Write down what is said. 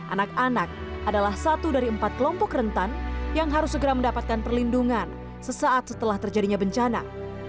anak anak adalah satu dari empat kelompok rentan yang harus segera mendapatkan perlindungan sesaat setelah terjadinya bencana